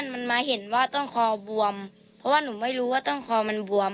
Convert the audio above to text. มันมาเห็นว่าต้นคอบวมเพราะว่าหนูไม่รู้ว่าต้นคอมันบวม